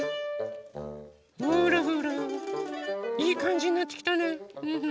ほらほらいいかんじになってきたね。